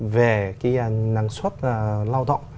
về cái năng suất lao động